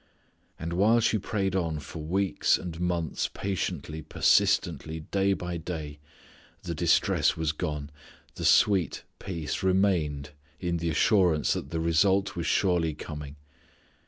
And while she prayed on for weeks and months patiently, persistently, day by day, the distress was gone, the sweet peace remained in the assurance that the result was surely coming.